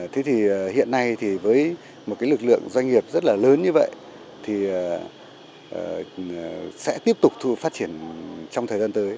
thế thì hiện nay thì với một cái lực lượng doanh nghiệp rất là lớn như vậy thì sẽ tiếp tục phát triển trong thời gian tới